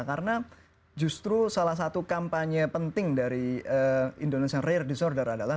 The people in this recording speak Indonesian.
karena justru salah satu kampanye penting dari indonesia rare disorder adalah